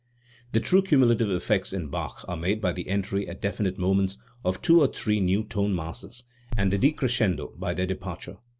The true cu mulative effects in Bach are made by the entry at definite moments of two or three new tone masses, and the de crescendo by their departure.